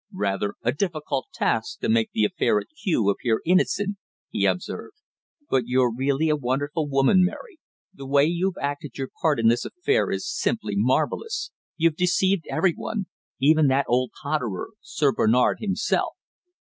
"Rather a difficult task to make the affair at Kew appear innocent," he observed. "But you're really a wonderful woman, Mary. The way you've acted your part in this affair is simply marvellous. You've deceived everyone even that old potterer, Sir Bernard himself."